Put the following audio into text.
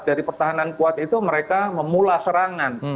dari pertahanan kuat itu mereka memula serangan